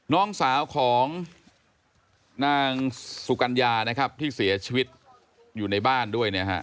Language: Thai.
น้องสาวของนางสุกัญญานะครับที่เสียชีวิตอยู่ในบ้านด้วยนะฮะ